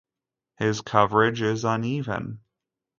His coverage is uneven.